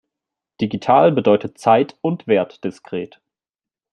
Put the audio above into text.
Digital bedeutet zeit- und wertdiskret.